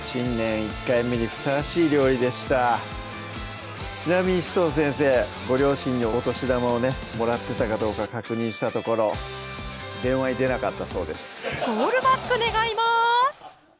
１回目にふさわしい料理でしたちなみに紫藤先生ご両親にお年玉をねもらってたかどうか確認したところコールバック願います！